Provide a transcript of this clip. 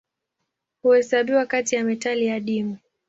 Huhesabiwa kati ya metali adimu.